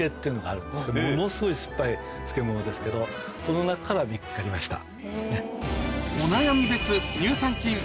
ものすごい酸っぱい漬物ですけどこの中から見つかりました。